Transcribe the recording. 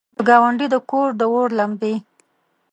د ګاونډي د کور، داور لمبې!